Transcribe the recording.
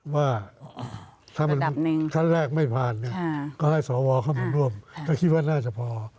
ว่าถ้ามันขั้นแรกไม่ผ่านก็ให้สวเข้ามาร่วมก็คิดว่าน่าจะพอ